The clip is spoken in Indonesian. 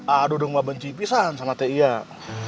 a'a dudung gak benci pisan sama tegak